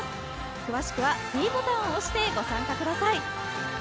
詳しくはｄボタンを押してご参加ください。